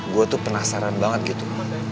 gue tuh penasaran banget gitu